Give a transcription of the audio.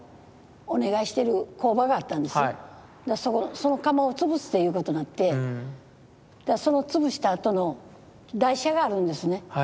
その窯を潰すということなってその潰したあとの台車があるんですね。